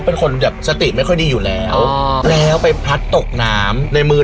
เป็นคนแบบสติไม่ค่อยดีอยู่แล้วแล้วไปพลัดตกน้ำในมือ